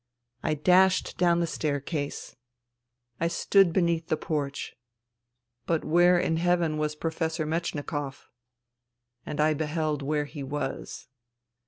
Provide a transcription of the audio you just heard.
I dashed down the staircase. I stood beneath 74 FUTILITY the porch. But where in heaven was " Professor Metchnikoff "? And I beheld where he was.